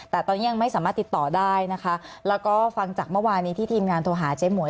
แต่ตอนนี้ยังไม่สามารถติดต่อได้นะคะแล้วก็ฟังจากเมื่อวานี้ที่ทีมงานโทรหาเจ๊หมวย